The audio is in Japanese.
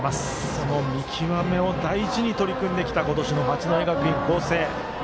その見極めを大事に取り組んできた今年の八戸学院光星。